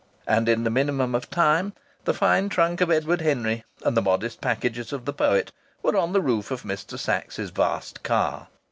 And in the minimum of time the fine trunk of Edward Henry and the modest packages of the poet were on the roof of Mr. Sachs's vast car.